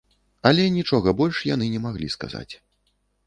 Але нічога больш яны не маглі сказаць.